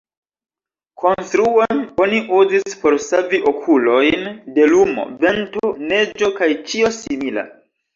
Konstruon oni uzis por savi okulojn de lumo, vento, neĝo kaj ĉio simila.